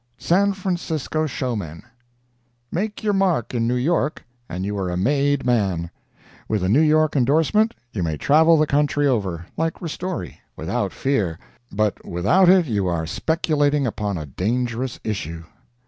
SAN FRANCISCO SHOWMEN Make your mark in New York, and you are a made man. With a New York endorsement you may travel the country over, like Ristori, without fear—but without it you are speculating upon a dangerous issue.